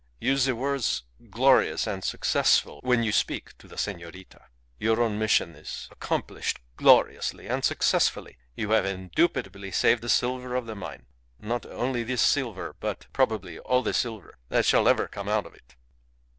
Use the words glorious and successful when you speak to the senorita. Your own mission is accomplished gloriously and successfully. You have indubitably saved the silver of the mine. Not only this silver, but probably all the silver that shall ever come out of it."